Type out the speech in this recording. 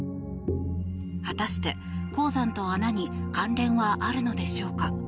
果たして、鉱山と穴に関連はあるのでしょうか。